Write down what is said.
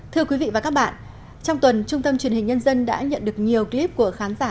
thưa quý vị và các bạn trong tuần trung tâm truyền hình nhân dân đã nhận được nhiều clip của khán giả